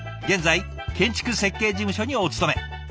現在建築設計事務所にお勤め。